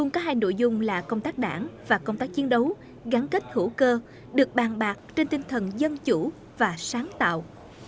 có hai nội dung là công tác đảng và công tác chiến đấu gắn kết hữu cơ được bàn bạc trên tinh thần dân chủ và sáng tạo